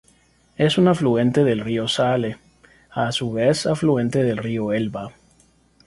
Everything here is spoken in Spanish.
Es un afluente del río Saale, a su vez afluente del río Elba.